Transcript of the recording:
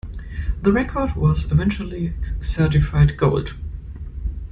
The record was eventually certified gold.